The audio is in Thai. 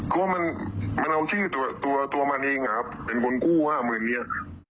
ก็มันเอาชื่อตัวมันเองครับเป็นคนกู้ห้าหมื่นเนี่ย